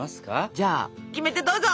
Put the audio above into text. じゃあキメテどうぞ！